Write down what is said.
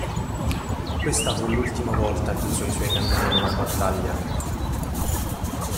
Questa fu l'ultima volta che usò i suoi cannoni in una battaglia.